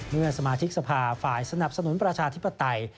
เมื่อสมาชิกสภาฝ่ายสนับสนุนประชาธิปไตย